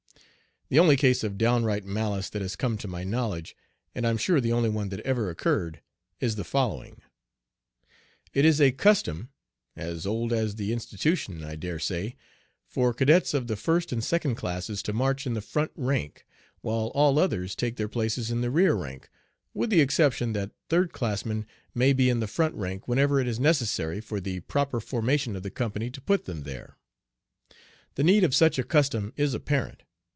The only case of downright malice that has come to my knowledge and I'm sure the only one that ever occurred is the following: It is a custom, as old as the institution I dare say, for cadets of the first and second classes to march in the front rank, while all others take their places in the rear rank, with the exception that third classmen may be in the front rank whenever it is necessary for the proper formation of the company to put them there. The need of such a custom is apparent.